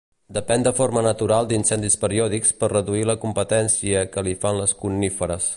Depèn de forma natural d'incendis periòdics per reduir la competència que li fan les coníferes.